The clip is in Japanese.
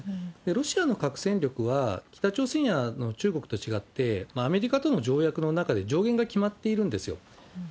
ロシアの核戦力は、北朝鮮や中国と違って、アメリカとの条約の中で上限が決まっているんですよ。